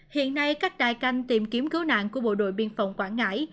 hiện nay các đài canh tìm kiếm cứu nạn của bộ đội biên phòng quảng ngãi